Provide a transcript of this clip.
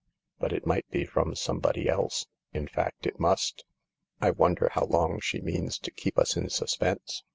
But it might be from some body else. In fact it must. I wonder how long she means to keep us in suspense